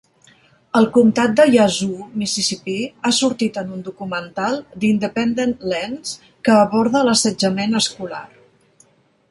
El comtat de Yazoo (Mississipí) ha sortit en un documental d'Independent Lens que aborda l'assetjament escolar.